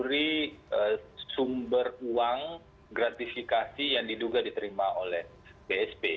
dari sumber uang gratifikasi yang diduga diterima oleh bsp